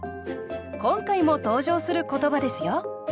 今回も登場する言葉ですよ